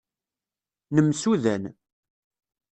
Nemsudan.